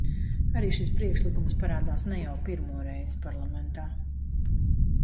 Arī šis priekšlikums parādās ne jau pirmo reizi parlamentā.